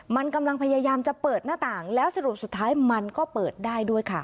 มันกำลังพยายามจะเปิดหน้าต่างแล้วสรุปสุดท้ายมันก็เปิดได้ด้วยค่ะ